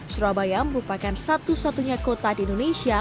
surabaya merupakan satu satunya kota di indonesia